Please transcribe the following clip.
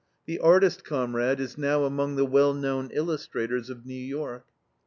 The artist comrade is now among the well known illustrators of New York.